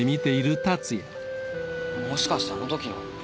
もしかしてあの時の？